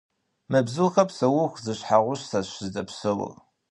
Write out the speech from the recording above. Мы бзухэр псэуху зы щхьэгъусэщ зыдэпсэур.